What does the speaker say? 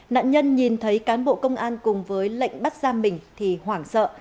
nạn nhân nhìn thấy cán bộ công an cùng với lệnh bắt giam mình thì hoảng sợ